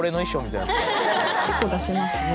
結構出しますね。